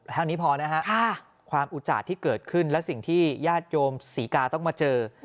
เท่านี้พอนะฮะความอุจจาดที่เกิดขึ้นและสิ่งที่ญาติโยมศรีกาต้องมาเจอ